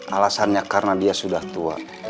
alasannya karena dia sudah tua